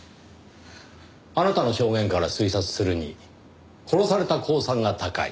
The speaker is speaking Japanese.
あなたの証言から推察するに殺された公算が高い。